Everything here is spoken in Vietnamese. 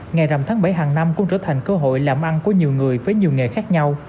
ngày rằm tháng bảy hàng năm cũng trở thành cơ hội làm ăn của nhiều người với nhiều nghề khác nhau